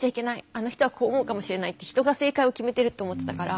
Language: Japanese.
「あの人はこう思うかもしれない」って人が正解を決めてるって思ってたから。